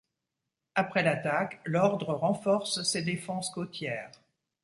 Après l'attaque, l'Ordre renforce ses défenses côtières.